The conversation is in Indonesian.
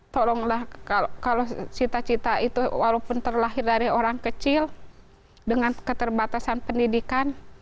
tolonglah kalau cita cita itu walaupun terlahir dari orang kecil dengan keterbatasan pendidikan